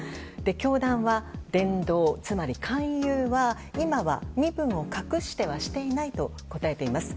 教団は伝道、つまり勧誘は今は身分を隠してはしていないと答えています。